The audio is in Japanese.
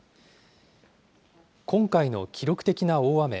今回の記録的な大雨。